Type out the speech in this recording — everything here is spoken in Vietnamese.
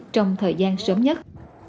trong thời gian sớm nhất